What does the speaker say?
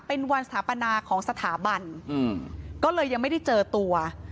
เป็นวันสถาปนาของสถาบันอืมก็เลยยังไม่ได้เจอตัว